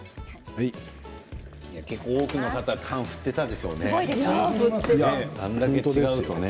多くの方、缶を振っていたでしょうね。